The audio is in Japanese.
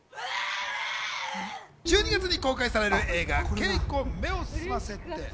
１２月に公開される映画『ケイコ目を澄ませて』。